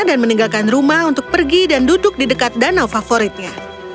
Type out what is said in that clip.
dan meninggalkan ruma untuk pergi dan duduk di dekat danau favoritnya